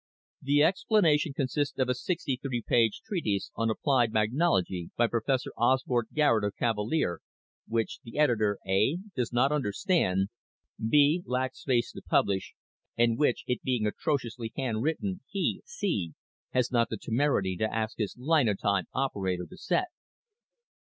_ _The "explanation" consists of a 63 page treatise on applied magnology by Professor Osbert Garet of Cavalier which the editor (a) does not understand; (b) lacks space to publish; and which (it being atrociously handwritten) he (c) has not the temerity to ask his linotype operator to set.